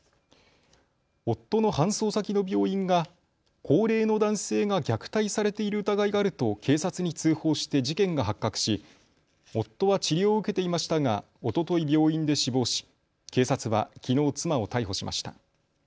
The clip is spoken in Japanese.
夫の搬送先の病院が高齢の男性が虐待されている疑いがあると警察に通報して事件が発覚し夫は治療を受けていましたがおととい病院で死亡し警察はきのう妻を逮捕しました。